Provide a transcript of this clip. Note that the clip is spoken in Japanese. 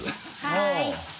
はい。